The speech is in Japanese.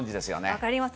分かります。